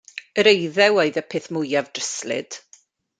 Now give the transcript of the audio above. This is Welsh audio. Yr eiddew oedd y peth mwyaf dryslyd.